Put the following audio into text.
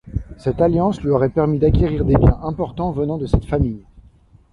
Cette alliance lui aurait permis d'acquérir des biens importants venant de cette famille.